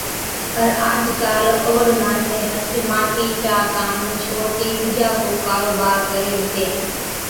پَر آج ڪاله اوڏ ماڻسين هچ ماٽِي چا ڪام ڇوڙتِي ڏُوجا ڪو ڪاروبار ڪري هِتين،